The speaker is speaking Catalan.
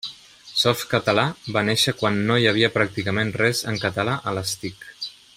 Softcatalà va néixer quan no hi havia pràcticament res en català a les TIC.